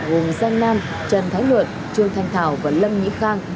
gồm giang nam trần thái luật trương thanh thảo và lâm nhĩ khang